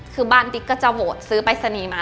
คือบ้านติ๊กก็จะโหวตซื้อปรายศนีย์มา